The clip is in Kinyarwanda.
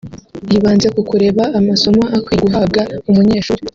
yibanze ku kureba amasomo akwiye guhabwa umunyeshuri